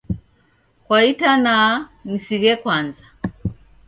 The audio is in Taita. Kwa itanaa nisighe kwanza.